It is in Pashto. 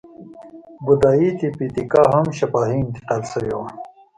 بودایي تیپي تیکا هم شفاهي انتقال شوې وه.